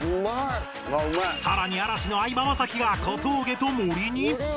さらに嵐の相葉雅紀が小峠と森に